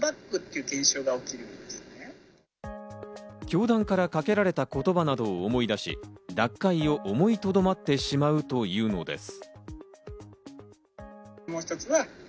教団からかけられた言葉などを思い出し、脱会を思いとどまってしまうというのです。